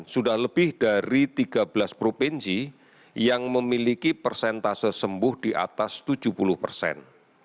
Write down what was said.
sudah lebih dari tiga belas provinsi yang memiliki persentase sembuh di atas tujuh puluh persen